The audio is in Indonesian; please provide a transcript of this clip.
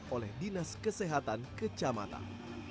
oleh dinas kesehatan kecamatan